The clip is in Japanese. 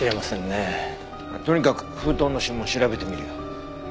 とにかく封筒の指紋を調べてみるよ。